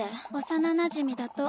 「幼なじみだと」。